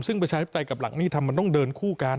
ซึ่งประชาชาชัยกับหลักนิติธรรมมันต้องเดินคู่กัน